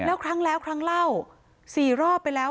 แล้วครั้งแล้วครั้งเล่า๔รอบไปแล้ว